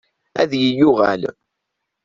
Ad yi-yuɣal.